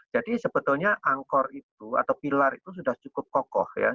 jadi sebetulnya angkor itu atau pilar itu sudah cukup kokoh